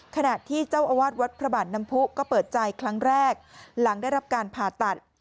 ขณะที่เจ้าอาวาสวัดพระบาทน้ำผู้ก็เปิดใจครั้งแรกหลังได้รับการผ่าตัด